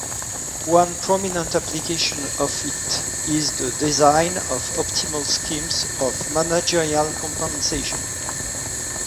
One prominent application of it is the design of optimal schemes of managerial compensation.